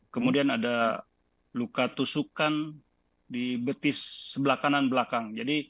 kemudian ada luka tusukan di betis sebelah kanan belakang